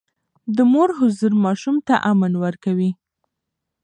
د مور حضور ماشوم ته امن ورکوي.